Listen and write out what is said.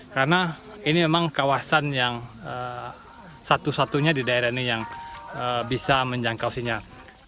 karena ini memang kawasan yang satu satunya di daerah ini yang bisa menjangkau sinyal